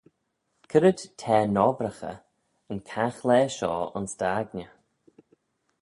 C'red t'er n'obbraghey yn caghlaa shoh ayns dt'aigney?